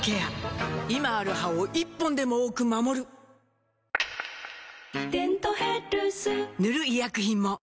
今ある歯を１本でも多く守る「デントヘルス」塗る医薬品も